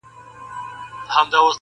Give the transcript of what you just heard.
بل ځوان وايي موږ بايد له دې ځایه لاړ سو-